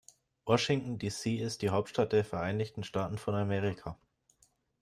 Washington, D.C. ist die Hauptstadt der Vereinigten Staaten von Amerika.